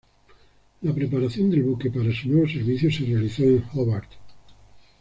La preparación del buque para su nuevo servicio se realizó en Hobart.